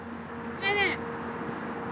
ねえねえね